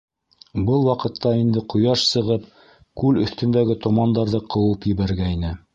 Был ваҡытта инде ҡояш сығып, күл өҫтөндәге томандарҙы ҡыуып ебәргәйне.